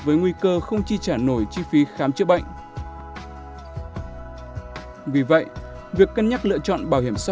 với nguy cơ không chi trả nổi chi phí khám chữa bệnh vì vậy việc cân nhắc lựa chọn bảo hiểm xã